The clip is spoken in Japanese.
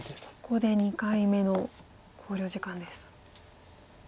ここで２回目の考慮時間です。